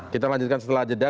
kita lanjutkan setelah jeda